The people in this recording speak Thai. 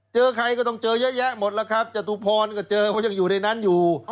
เจอใครก็ต้องเจอเยอะแยะหมดแล้วครับจตุพรก็เจอเพราะยังอยู่ในนั้นอยู่